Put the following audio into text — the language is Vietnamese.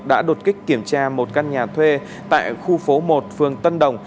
đã đột kích kiểm tra một căn nhà thuê tại khu phố một phường tân đồng